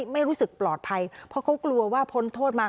ไม่รู้สึกปลอดภัยเพราะเขากลัวว่าพ้นโทษมา